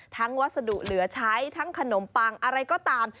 วัสดุเหลือใช้ทั้งขนมปังอะไรก็ตาม